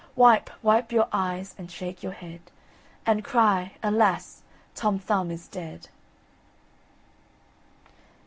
Wipe, wipe your eyes, and shake your head And cry, Alas! Tom Thumb is dead!